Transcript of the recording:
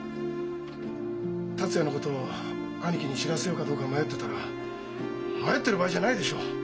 達也のことを兄貴に知らせようかどうか迷ってたら「迷ってる場合じゃないでしょう！